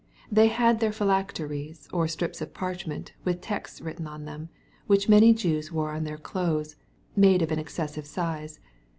They had their phylacteries, or strips of parchment, with texts written on them, which many Jews wore on their clothes, made of an excessive size.